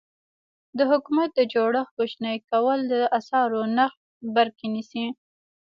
د حکومت د جوړښت کوچني کول د اسعارو نرخ بر کې نیسي.